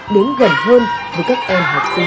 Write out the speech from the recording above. đến gần hơn với các em học sinh